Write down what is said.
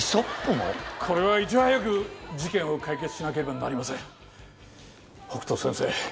これはいち早く事件を解決しなければなりません。